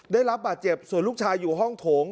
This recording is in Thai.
ได้รับบาดเจ็บส่วนลูกชายอยู่ห้องโถง